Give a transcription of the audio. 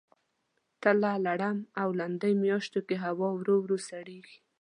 تله ، لړم او لیندۍ میاشتو کې هوا ورو ورو سړیږي.